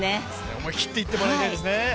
思い切っていってもらいたいですね。